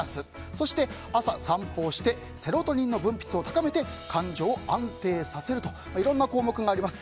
そして朝散歩をしてセロトニンの分泌を高めて感情を安定させるといろんな項目があります。